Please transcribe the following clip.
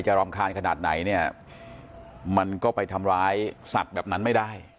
รำคาญขนาดไหนเนี่ยมันก็ไปทำร้ายสัตว์แบบนั้นไม่ได้